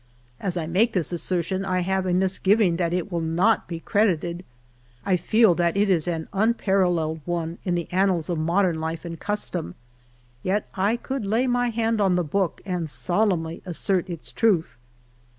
As I make this assertion I have a misgiving that it will not be credited. I feel that it is an unparalleled one in the annals of modern life and custom, yet I could lay my hand on the Book and solemnly assert its truth.